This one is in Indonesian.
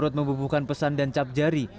mereka juga membubukan pesan dan cap jari